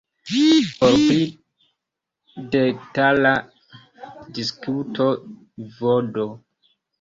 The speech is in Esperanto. Por pli detala diskuto vd.